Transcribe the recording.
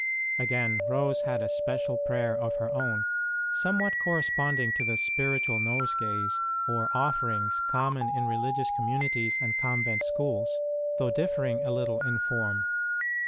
Again, Rose had a special prayer of her own, somewhat corresponding to the Spiritual nose gays or Offerings common in Religious com munities and Convent schools, though differing a little in form.